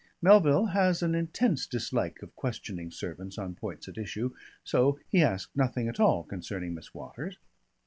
Melville has an intense dislike of questioning servants on points at issue, so he asked nothing at all concerning Miss Waters.